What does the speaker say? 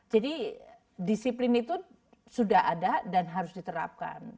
jadi disiplin itu sudah ada dan harus diterapkan